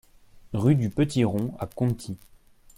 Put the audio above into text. Rue du Petit Rond à Conty